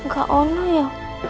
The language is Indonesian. gak ada ya